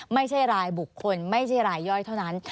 ไม่ใช่รายบุคคลไม่ใช่รายย่อยเท่านั้น